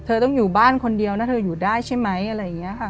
เธอต้องอยู่บ้านคนเดียวนะเธออยู่ได้ใช่ไหมอะไรอย่างนี้ค่ะ